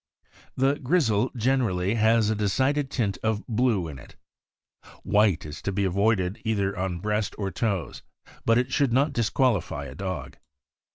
The grizzle generally has a decided tint of blue in it. White is to be avoided either on breast or toes, but it should not disqualify a dog.